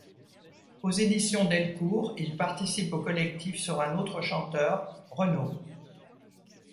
Aux éditions Delcourt, il participe au collectif sur un autre chanteur, Renaud.